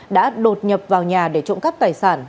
đã đột nhập vào nhà để trộm cắp tài sản